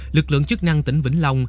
lực lượng chức năng tỉnh vĩnh long